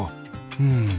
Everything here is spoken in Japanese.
うん。